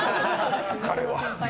彼は。